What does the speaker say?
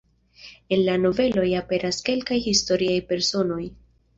En la noveloj aperas kelkaj historiaj personoj.